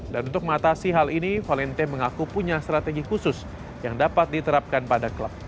dan untuk mengatasi hal ini valente mengaku punya strategi khusus yang dapat diterapkan pada klub